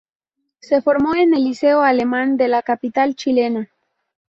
Se formó en el Liceo Alemán de la capital chilena.